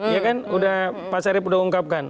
ya kan pak serip sudah ungkapkan